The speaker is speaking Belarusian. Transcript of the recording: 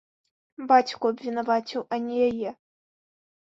Бацьку абвінаваціў, а не яе.